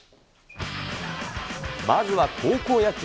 まずは高校野球。